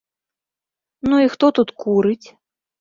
Ну і хто тут курыць?